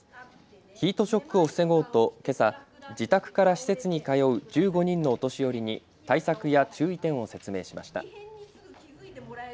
ヒートショックを防ごうとけさ自宅から施設に通う１５人のお年寄りに対策や注意点を説明しました。